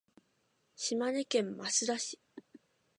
島根県益田市